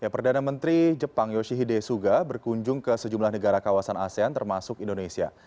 perdana menteri jepang yoshihide suga berkunjung ke sejumlah negara kawasan asean termasuk indonesia